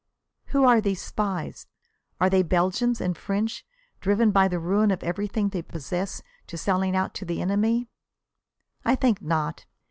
Who are these spies? Are they Belgians and French, driven by the ruin of everything they possess to selling out to the enemy? I think not.